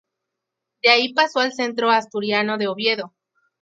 De ahí pasó al Centro Asturiano de Oviedo.